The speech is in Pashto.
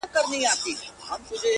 مُلاجان ویل ه، د پنجاب چټي په نام دي~